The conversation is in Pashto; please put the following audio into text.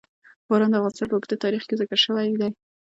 باران د افغانستان په اوږده تاریخ کې ذکر شوی دی.